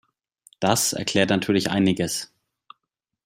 Das erklärt natürlich einiges.